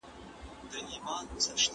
روښانه فکر خوښي نه دروي.